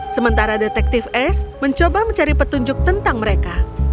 sementara detektif ace mencoba mencari petunjuk tentang mereka